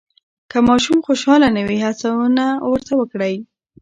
که ماشوم خوشحاله نه وي، هڅونه ورته وکړئ.